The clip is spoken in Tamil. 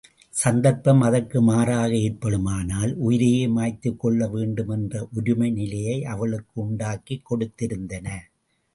சந்தர்ப்பம் அதற்கு மாறாக ஏற்படுமானால் உயிரையே மாய்த்துக்கொள்ள வேண்டும் என்ற ஒருமை நிலையை அவளுக்கு உண்டாக்கிக் கொடுத்திருந்தன.